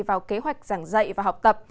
vào kế hoạch giảng dạy và học tập